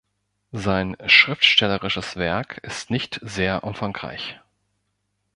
Sein schriftstellerisches Werk ist nicht sehr umfangreich.